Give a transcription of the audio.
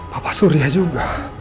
papa surya juga